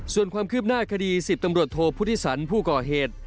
ส่วนความคืบหน้าคดี๑๐ตำรวจโทพุทธิสันผู้ก่อเหตุ